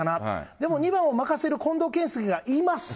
でも２番を任せる近藤健介がいます。